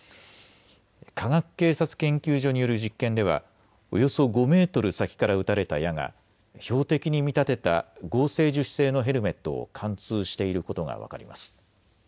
科学警察研究所による実験ではおよそ５メートル先から撃たれた矢が標的に見立てた合成樹脂製のヘルメットを貫通していることが分かります。